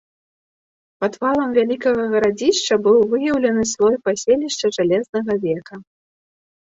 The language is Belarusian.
Пад валам вялікага гарадзішчы быў выяўлены слой паселішча жалезнага века.